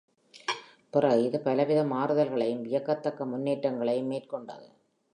பிறகு இது பலவித மாறுதல்களையும், வியக்கத்தக்க முன்னேற்றங்களையும் மேற்கொண்டது.